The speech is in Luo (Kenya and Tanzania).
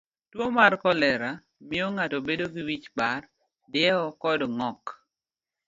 Tuo mar kolera miyo ng'ato bedo gi wich bar, diewo kod ng'ok.